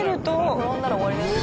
転んだら終わりだよ。